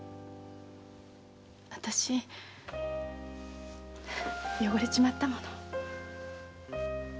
あたし汚れちまったもの。